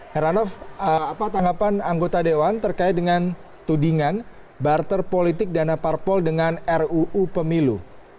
heranov apa tanggapan anggota dewan terkait dengan tudingan barter politik dana parpol dengan ruu pemilu